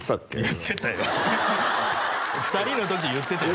言ってたよ２人の時言ってたよ